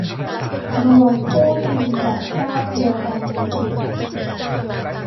รวมคู่ชิงจากชาติเดียวกันในศึก